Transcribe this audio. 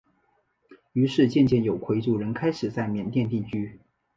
于是渐渐有回族人开始在缅甸定居。